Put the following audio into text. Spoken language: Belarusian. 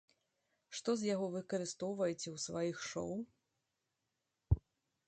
Што з яго выкарыстоўваеце ў сваіх шоў?